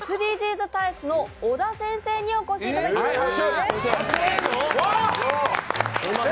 ＳＤＧｓ大使の小田先生にお越しいただきました！